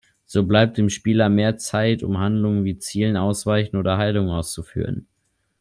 So bleibt dem Spieler mehr Zeit, um Handlungen wie Zielen, Ausweichen oder Heilung auszuführen.